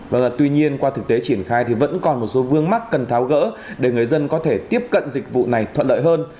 vâng tuy nhiên qua thực tế triển khai thì vẫn còn một số vương mắc cần tháo gỡ để người dân có thể tiếp cận dịch vụ này thuận lợi hơn